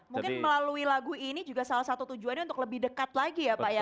mungkin melalui lagu ini juga salah satu tujuannya untuk lebih dekat lagi ya pak ya